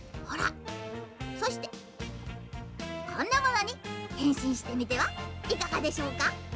「そしてこんなものにへんしんしてみてはいかがでしょうか？」。